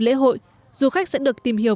lễ hội du khách sẽ được tìm hiểu